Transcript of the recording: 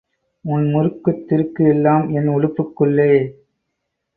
உன் முறுக்குத் திறுக்கு எல்லாம் என் உடுப்புக்குன்ளே.